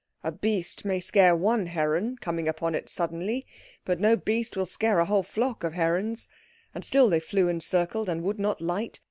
A beast may scare one heron, coming upon it suddenly, but no beast will scare a whole flock of herons. And still they flew and circled, and would not light.